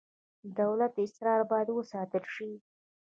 د دولت اسرار باید وساتل شي